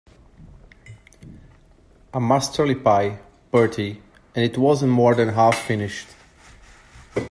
A masterly pie, Bertie, and it wasn't more than half finished.